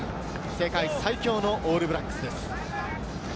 世界最強のオールブラックスです。